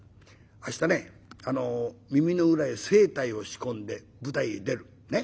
明日ね耳の裏へ青黛を仕込んで舞台へ出る。